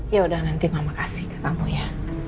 ya udah nanti mama kasih ke kamu ya